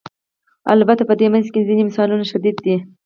البته په دې منځ کې ځینې مثالونه شدید دي.